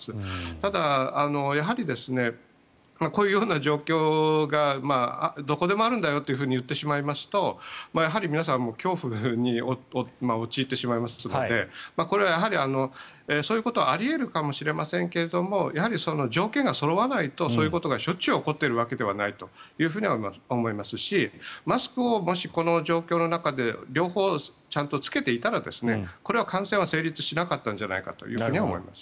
ただ、やはりこういうような状況がどこでもあるんだよと言ってしまいますとやはり皆さん恐怖に陥ってしまいますのでこれはやはり、そういうことはあり得るかもしれませんがやはり条件がそろわないとそういうことがしょっちゅう起こっているわけではないと思いますしマスクをもし、この状況の中で両方、ちゃんと着けていたらこれは感染は成立しなかったんじゃないかと思います。